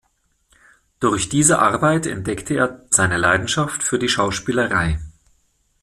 Durch diese Arbeit entdeckte er seine Leidenschaft für die Schauspielerei.